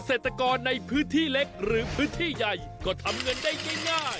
กฎเซตตะก๊อในพื้นที่เล็กหรือพื้นที่ใหญ่ก็ทำเหงื่อได้ได้ง่าย